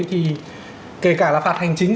thì kể cả là phạt hành chính